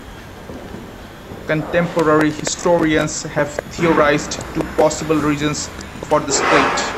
Contemporary historians have theorized two possible reasons for the split.